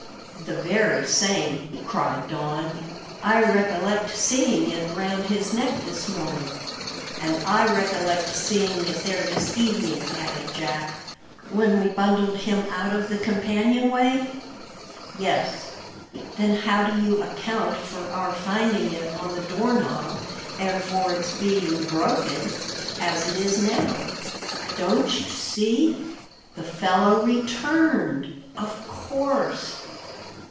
"The very same!" cried Don. "I recollect seeing it round his neck this morning." "And I recollect seeing it there this evening," added Jack. "When we bundled him out of the companionway?" "Yes." "Then how do you account for our finding it on the door knob, and for its being broken as it is now?" "Don't you see? The fellow returned, of course."